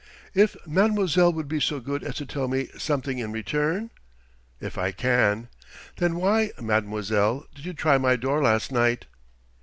"If mademoiselle would be so good as to tell me something in return ?" "If I can...." "Then why, mademoiselle, did you try my door last night?"